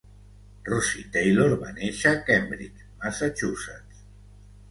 Russi Taylor va néixer a Cambridge, Massachusetts.